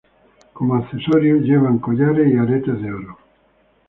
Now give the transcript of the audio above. Como accesorios llevan collares y aretes de oro.